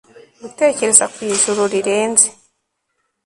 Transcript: gutekereza ku ijuru rirenze